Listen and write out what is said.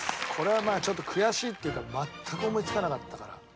これはまあちょっと悔しいっていうか全く思いつかなかったから。